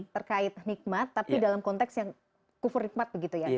terkait nikmat tapi dalam konteks yang kufur nikmat begitu ya